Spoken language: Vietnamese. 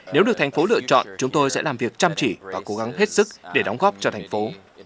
nếu được thành phố lựa chọn chúng tôi sẽ làm việc chăm chỉ và cố gắng hết sức để đóng góp cho thành phố